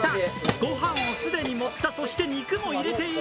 御飯を既に盛った、そして肉も入れている。